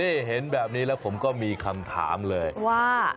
นี่เห็นแบบนี้แล้วผมก็มีคำถามเลยว่า